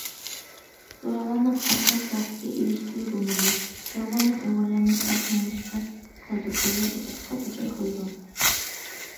زوراۋانلىق ئارقىلىق بەختكە ئېرىشكىلى بولمايدۇ، زوراۋانلىق ئۇيغۇرلارنى ئار نومۇسقا قالدۇرىدۇ ۋە ئازابقا دۇچار قىلىدۇ.